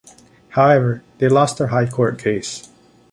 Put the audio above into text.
However, they lost their High Court case.